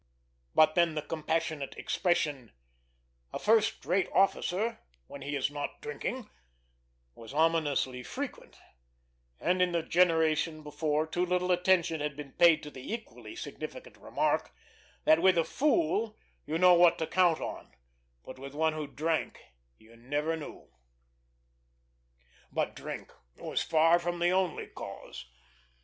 But then the compassionate expression, "A first rate officer when he is not drinking," was ominously frequent; and in the generation before too little attention had been paid to the equally significant remark, that with a fool you know what to count on, but with one who drank you never knew. But drink was far from the only cause.